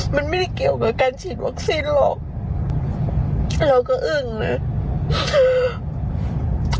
มันไม่ได้เกี่ยวกับการฉีดวัคซีนหรอกเราก็อึ้งนะ